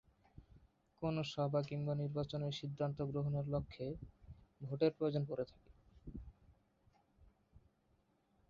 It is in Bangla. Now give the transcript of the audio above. কোন সভা কিংবা নির্বাচনে সিদ্ধান্ত গ্রহণের লক্ষ্যে ভোটের প্রয়োজন পড়ে থাকে।